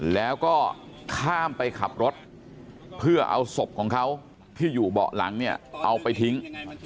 แล้วก็ข้ามไปขับรถเพื่อเอาศพของเขาที่อยู่เบาะหลังเนี่ยเอาไปทิ้ง